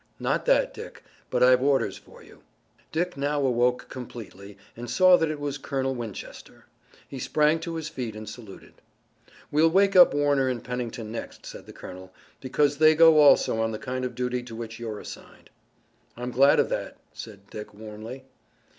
"Not that, Dick, but I've orders for you." Dick now awoke completely and saw that it was Colonel Winchester. He sprang to his feet and saluted. "We'll wake up Warner and Pennington next," said the colonel, "because they go also on the kind of duty to which you're assigned." "I'm glad of that," said Dick warmly.